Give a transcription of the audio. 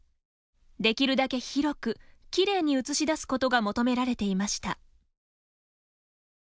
できるだけ広くきれいに映し出すことが求められていました。